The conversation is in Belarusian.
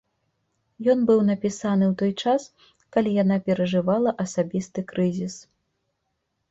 Ён быў напісаны ў той час, калі яна перажывала асабісты крызіс.